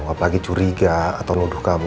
apalagi curiga atau nuduh kamu